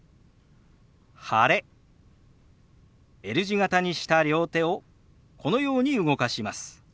Ｌ字形にした両手をこのように動かします。